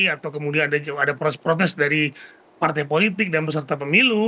atau kemudian ada pros protes dari partai politik dan peserta pemilu